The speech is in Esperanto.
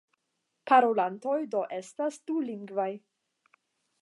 Parolantoj do estas dulingvaj.